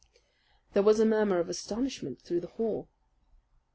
There was a murmur of astonishment through the hall.